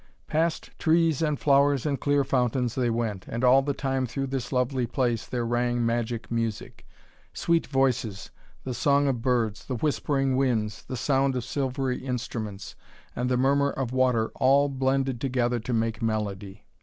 Past trees and flowers and clear fountains they went, and all the time through this lovely place there rang magic music. Sweet voices, the song of birds, the whispering winds, the sound of silvery instruments, and the murmur of water all blended together to make melody.